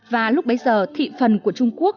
và lúc bấy giờ thị phần của trung quốc